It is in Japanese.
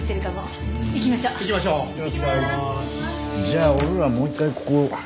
じゃあ俺らはもう一回ここ行くか。